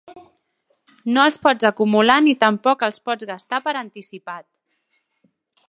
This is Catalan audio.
No els pots acumular ni tampoc els pots gastar per anticipat».